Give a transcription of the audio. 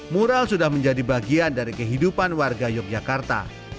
mural sudah menjadi bagian dari kehidupan warga yogyakarta